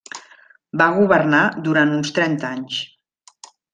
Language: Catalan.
Va governar durant uns trenta anys.